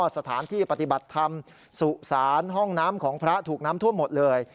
สถานที่ปฏิบัติธรรมสุสานห้องน้ำของพระถูกน้ำท่วมหมดเลย